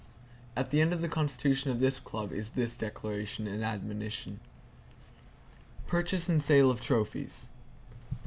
At the end of the constitution of this club is this declaration, and admonition: "Purchase and sale of Trophies.